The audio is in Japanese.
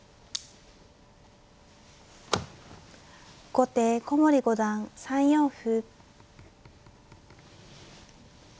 後手古森五段３四歩。